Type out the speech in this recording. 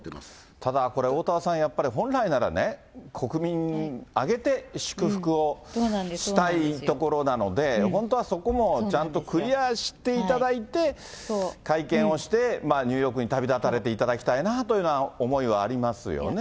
ただこれ、おおたわさん、やっぱり本来なら、国民挙げて祝福をしたいところなので、本当はそこもちゃんとクリアしていただいて、会見をして、ニューヨークに旅立たれていただきたいなという思いはありますよね。